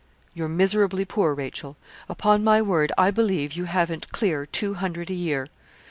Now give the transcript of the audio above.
'You're miserably poor, Rachel: upon my word, I believe you haven't clear two hundred a year.